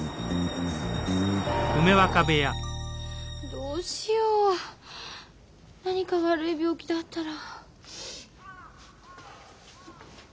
どうしよう何か悪い病気だったら。